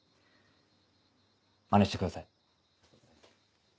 マネしてください。